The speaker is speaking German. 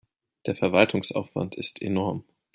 Der Verwaltungsaufwand ist enorm.